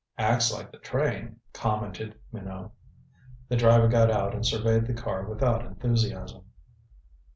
"Acts like the train," commented Minot. The driver got out and surveyed the car without enthusiasm.